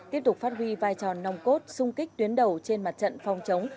tiếp tục phát huy vai tròn nông cốt sung kích tuyến đầu trên mặt trận phòng chống